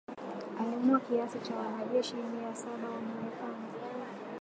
aliamuru kiasi cha wanajeshi mia saba wa Marekani